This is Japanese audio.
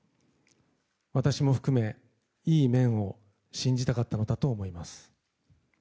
私も含め、いい面を信じたかったのだと思います。